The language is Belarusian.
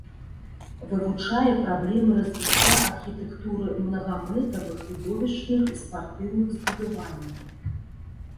Вывучае праблемы развіцця архітэктуры мнагамэтавых відовішчных і спартыўных збудаванняў.